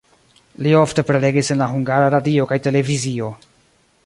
Li ofte prelegis en la Hungara Radio kaj televizio.